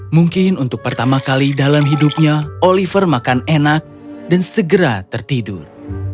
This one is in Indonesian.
mungkin untuk pertama kali dalam hidupnya oliver makan enak dan segera tertidur